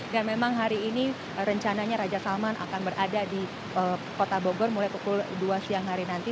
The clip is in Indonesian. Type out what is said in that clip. dan memang hari ini rencananya raja salman akan berada di kota bogor mulai pukul dua siang hari nanti